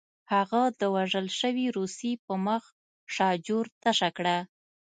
هغه د وژل شوي روسي په مخ شاجور تشه کړه